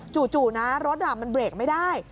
จู่นะรถมันเบรกไม่ได้